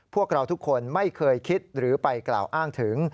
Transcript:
พวกเราทุกคนไม่เคยคิดหรือไปกล่าวอ้างถึง